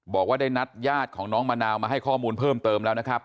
บอกว่าได้นัดญาติของน้องมะนาวมาให้ข้อมูลเพิ่มเติมแล้วนะครับ